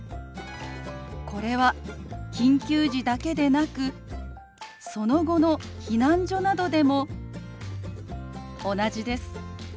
これは緊急時だけでなくその後の避難所などでも同じです。